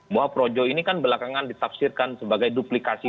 bahwa projo ini kan belakangan ditafsirkan sebagai duplikasi